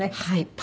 はい。